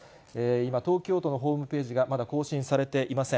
今、東京都のホームページがまだ更新されていません。